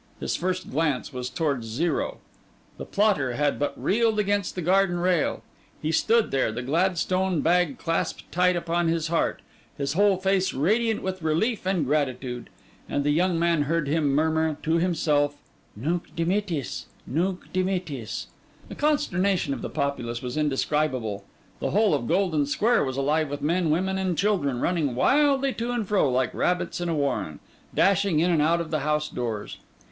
His first glance was towards Zero. The plotter had but reeled against the garden rail; he stood there, the Gladstone bag clasped tight upon his heart, his whole face radiant with relief and gratitude; and the young man heard him murmur to himself: 'Nunc dimittis, nunc dimittis!' The consternation of the populace was indescribable; the whole of Golden Square was alive with men, women, and children, running wildly to and fro, and like rabbits in a warren, dashing in and out of the house doors.